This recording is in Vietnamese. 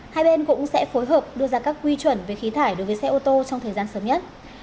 hai bên cũng sẽ phối hợp đưa ra các quy chuẩn về khí thải đối với xe ô tô trong thời gian sớm nhất